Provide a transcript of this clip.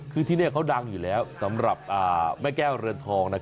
คือที่นี่เขาดังอยู่แล้วสำหรับแม่แก้วเรือนทอง